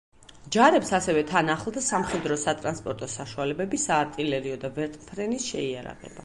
ჯარებს ასევე თან ახლდა სამხედრო სატრანსპორტო საშუალებები, საარტილერიო და ვერტმფრენის შეიარაღება.